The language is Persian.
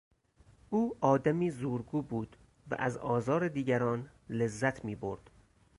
او آدمی زورگو بود و از آزار دیگران لذت میبرد.